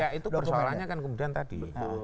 ya itu persoalannya kan kemudian tadi